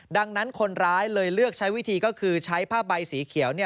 ดังนั้นคนร้ายเลยเลือกใช้วิธีก็คือใช้ผ้าใบสีเขียว